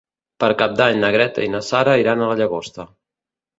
Per Cap d'Any na Greta i na Sara iran a la Llagosta.